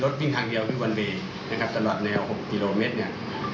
ที่วันดีนะครับถ้าหลัดแนว๖ปีโลเมตรเนี่ย